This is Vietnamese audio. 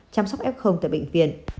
chăm sóc f tại bệnh viện